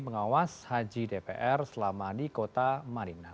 mengawas haji dpr selama di kota marina